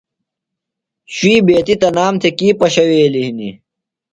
شُوئی بیتیۡ تنام تھےۡ کی پشَویلیۡ ہنیۡ؟